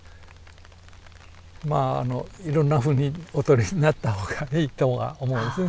まああのいろんなふうにお取りになった方がいいとは思うんですね。